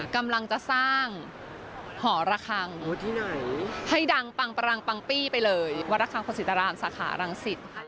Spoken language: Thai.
กำลังจะสร้างหอระคังให้ดังปังปรังปังปี้ไปเลยวรคังโคศิตรามสาขารังสิต